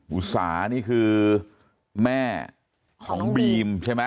อุตสานี่คือแม่ของบีมใช่ไหม